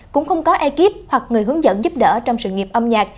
cũng không có ekip hoặc người hướng dẫn giúp đỡ trong sự nghiệp âm nhạc